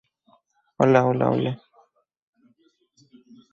Posteriormente esta región pasó a pertenecer al Virreinato del Río de la Plata.